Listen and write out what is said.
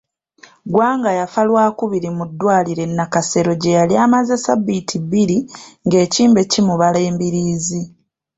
Gwanga yafa Lwakubiri mu ddwaliro e Nakasero gyeyali amaze ssabbiiti bbiri ng'ekimbe kimubala embiriizi.